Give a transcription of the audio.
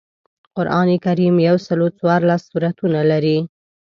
قران کریم یوسل او څوارلس سورتونه لري